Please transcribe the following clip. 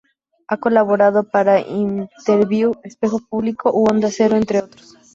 Ha colaborado para "Interviú", "Espejo Público" u Onda Cero, entre otros.